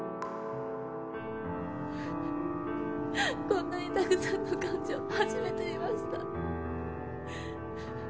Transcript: こんなにたくさんの感情初めて見ました。